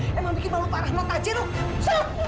sungguh bu saya benar benar tidak tahu